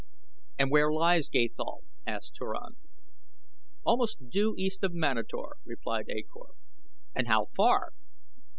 "And where lies Gathol?" asked Turan. "Almost due east of Manator," replied A Kor. "And how far?"